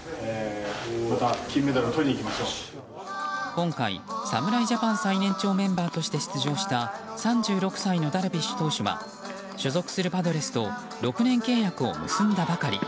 今回、侍ジャパン最年長メンバーとして出場した３６歳のダルビッシュ投手は所属するパドレスと６年契約を結んだばかり。